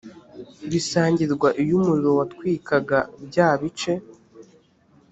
bisangirwa iyo umuriro watwikaga bya bice